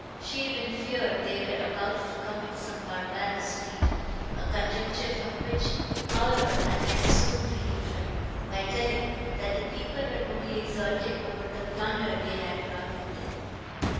She even feared they were about to commit some barbarous deed; a conjecture from which, however, Annette soon relieved her, by telling, that the people were only exulting over the plunder they had brought with them.